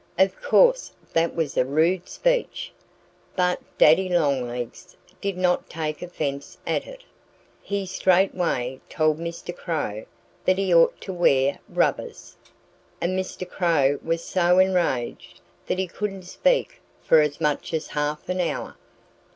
Of course that was a rude speech. But Daddy Longlegs did not take offense at it. He straightway told Mr. Crow that he ought to wear rubbers. And Mr. Crow was so enraged that he couldn't speak for as much as half an hour.